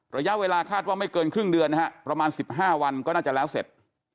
ระยะเวลาคาดว่าไม่เกินครึ่งเดือนนะฮะประมาณ๑๕วันก็น่าจะแล้วเสร็จ